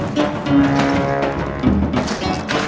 coba mamang lebih baik